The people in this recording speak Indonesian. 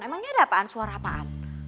emangnya ada apaan suara apaan